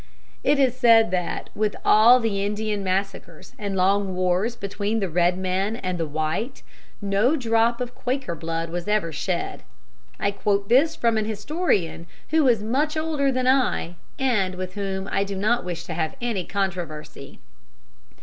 It is said that, with all the Indian massacres and long wars between the red men and the white, no drop of Quaker blood was ever shed. I quote this from an historian who is much older than I, and with whom I do not wish to have any controversy.